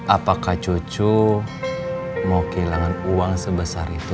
apakah cucu mau kehilangan uang sebesar itu